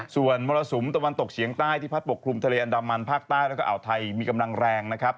ส่วนมรสุมตะวันตกเฉียงใต้ที่พัดปกคลุมทะเลอันดามันภาคใต้แล้วก็อ่าวไทยมีกำลังแรงนะครับ